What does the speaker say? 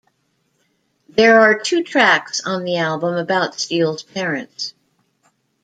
There are two tracks on the album about Steele's parents.